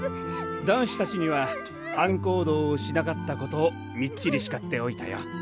男子たちには班行動をしなかったことをみっちりしかっておいたよ。